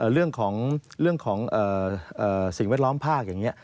เรื่องของสิ่งแวดล้อมภาคอย่างนี้